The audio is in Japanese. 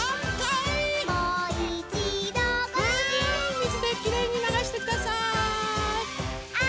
みずできれいにながしてください。